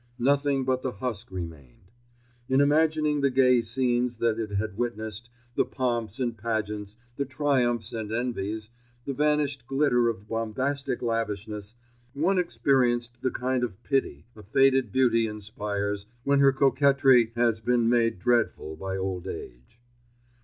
Nothing but the husk remained. In imagining the gay scenes that it had witnessed, the pomps and pageants, the triumphs and envies, the vanished glitter of bombastic lavishness, one experienced the kind of pity a faded beauty inspires when her coquetry has been made dreadful by old age.